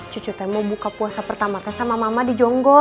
cucu teh mau buka puasa pertama tes sama mama di jonggo